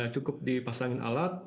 cukup dipasangin alat